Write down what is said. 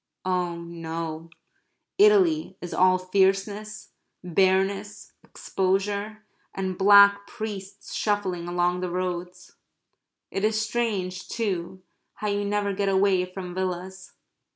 Oh no, Italy is all fierceness, bareness, exposure, and black priests shuffling along the roads. It is strange, too, how you never get away from villas.